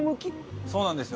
そうなんですよ。